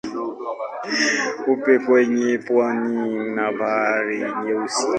Upo kwenye pwani ya Bahari Nyeusi.